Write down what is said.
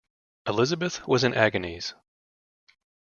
Elizabeth was in agonies.